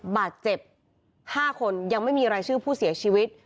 บาดเจ็บ๕คนยังไม่มีรายชื่อผู้เสียชีวิต